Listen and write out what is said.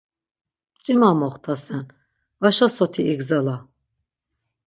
Mç̌ima moxtasen, vaşa soti igzala!